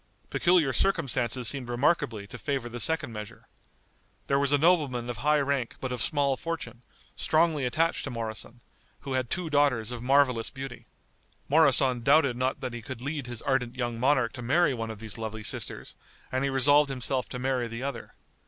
Peculiar circumstances seemed remarkably to favor the second measure. There was a nobleman of high rank but of small fortune, strongly attached to Moroson, who had two daughters of marvelous beauty. Moroson doubted not that he could lead his ardent young monarch to marry one of these lovely sisters, and he resolved himself to marry the other.